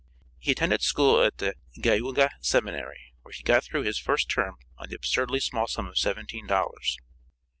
He attended school at the Geauga Seminary, where he got through his first term on the absurdly small sum of seventeen dollars.